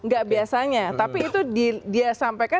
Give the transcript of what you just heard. gak biasanya tapi itu dia sampaikan